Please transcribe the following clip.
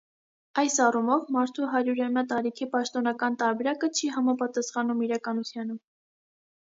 Այս առումով, բարդու հարյուրամյա տարիքի պաշտոնական տարբերակը չի համապատասխանում իրականությանը։